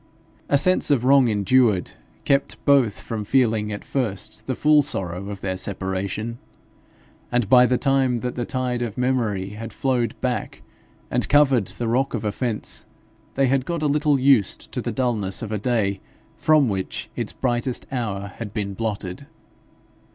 A sense of wrong endured kept both from feeling at first the full sorrow of their separation; and by the time that the tide of memory had flowed back and covered the rock of offence, they had got a little used to the dulness of a day from which its brightest hour had been blotted.